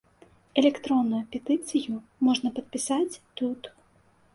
Электронную петыцыю можна падпісаць тут.